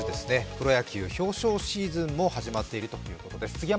プロ野球表彰シーズンも始まっているということです。